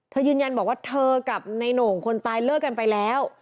ยืนยันบอกว่าเธอกับในโหน่งคนตายเลิกกันไปแล้ว